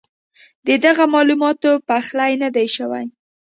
ددغه معلوماتو پخلی نۀ دی شوی